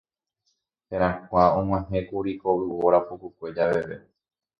Herakuã og̃uahẽkuri ko yvóra pukukue javeve.